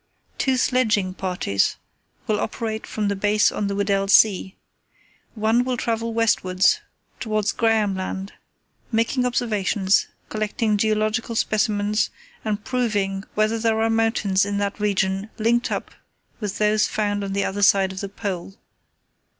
"Two sledging parties will operate from the base on the Weddell Sea. One will travel westwards towards Graham Land, making observations, collecting geological specimens, and proving whether there are mountains in that region linked up with those found on the other side of the Pole.